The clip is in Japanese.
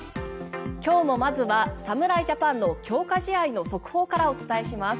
今日もまずは侍ジャパンの強化試合の速報からお伝えします。